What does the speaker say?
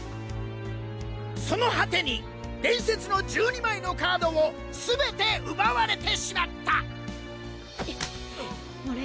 その果てに伝説の１２枚のカードをすべて奪われてしまった俺